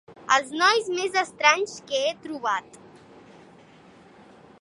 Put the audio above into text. Els nois més estranys que he trobat.